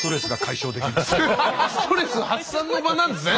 ストレス発散の場なんですね。